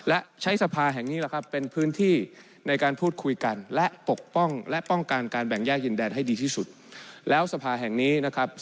อาจจะมีพังพักการเมืองที่ไม่ได้อยู่ในสภาแห่งนี้